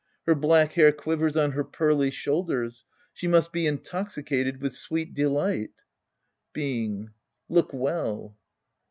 Her black hair quivers on her pearly shoulders.' She must be intoxicated with sweet deKght. Being. Look well.